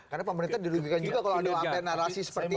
karena pemerintah dilunjukan juga kalau ada langkah narasi seperti ini ya